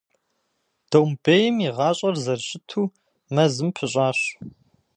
Домбейм и гъащӏэр зэрыщыту мэзым пыщӏащ.